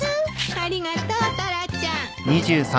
ありがとうタラちゃん。